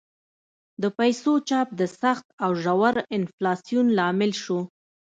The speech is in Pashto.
د پیسو چاپ د سخت او ژور انفلاسیون لامل شو.